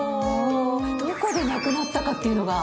どこでなくなったかっていうのが。